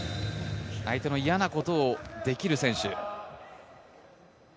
相手の嫌なことをできる選手。